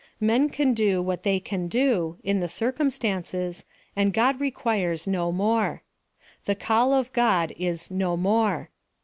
Men can do what they can do, in the circumstances, and God requires no more. The call of God is no more.